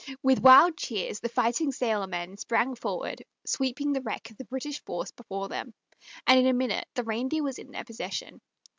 With wild cheers the fighting sailormen sprang forward, sweeping the wreck of the British force before them, and in a minute the Reindeer was in their possession.